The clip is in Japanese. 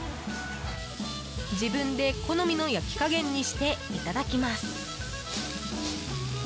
自分で好みの焼き加減にしていただきます。